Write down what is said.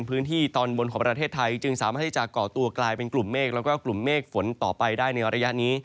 เป็นประเทศไทยจึงสามารถที่จะก่อตัวกลายเป็นกลุ่มเมฆและกลุ่มเมฆฝนต่อไปในระยะนี้